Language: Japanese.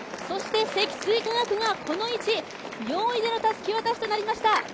積水化学がこの位置、４位でのたすき渡しとなりました。